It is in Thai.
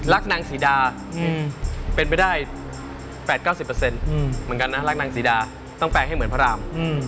รักนางศรีดาเป็นไปได้๘๙๐เหมือนกันนะรักนางศรีดาต้องแปลให้เหมือนพระราม